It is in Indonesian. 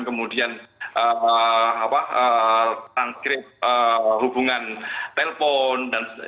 kemudian transkrip hubungan telpon